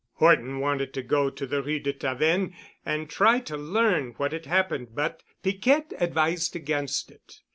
Horton wanted to go to the Rue de Tavennes and try to learn what had happened, but Piquette advised against it.